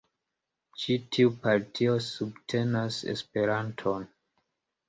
Ĉi tiu partio subtenas Esperanton.